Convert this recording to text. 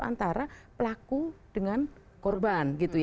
antara pelaku dengan korban